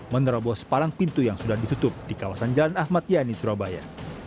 menerobos palang pintu yang sudah ditutup di kawasan jalan ahmad yani surabaya